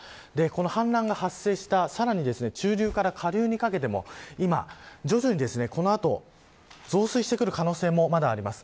氾濫が発生した中流から下流にかけても今、徐々にこの後増水してくる可能性もまだあります。